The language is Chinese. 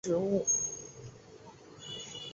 坚桦为桦木科桦木属的植物。